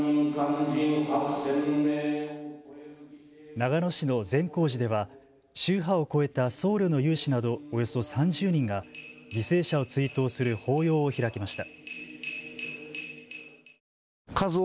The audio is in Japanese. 長野市の善光寺では宗派を超えた僧侶の有志などおよそ３０人が犠牲者を追悼する法要を開きました。